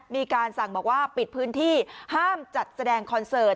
มีการสั่งบอกว่าปิดพื้นที่ห้ามจัดแสดงคอนเสิร์ต